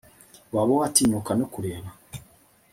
waba watinyuka no kureba